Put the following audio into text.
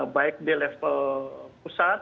baik di level pusat